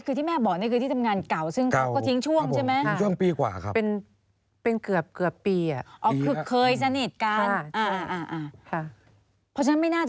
อ๋อคือที่แม่บอกที่ทำงานเก่าซึ่งเค้าก็เลิกช่วง